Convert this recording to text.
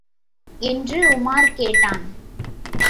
என்று உமார் கேட்டான்.